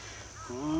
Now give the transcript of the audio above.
うん。